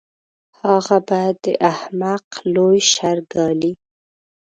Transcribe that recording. هغه به د احمق لوی شر ګالي.